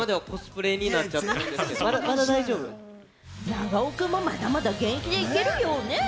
長尾君もまだまだ現役でいけるよね。